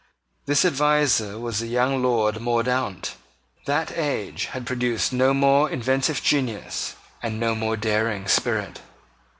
This adviser was the young Lord Mordaunt. That age had produced no more inventive genius, and no more daring spirit.